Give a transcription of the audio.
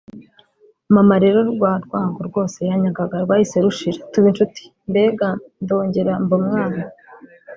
Maman rero rwa rwango rwose yanyangaga rwahise rushira tuba incuti mbega ndongera mba umwana